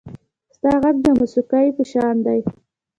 • ستا غږ د موسیقۍ په شان دی.